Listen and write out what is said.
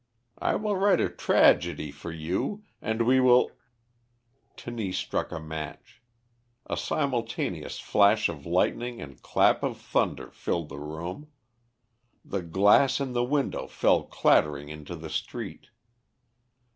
I will write a tragedy for you, and we will " Tenise struck the match. A simultaneous flash of lightning and clap of thunder filled the room. The glass in the window fell clattering into the street.